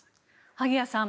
萩谷さん